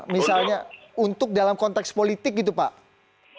misalnya untuk dalam konteks politik gitu pak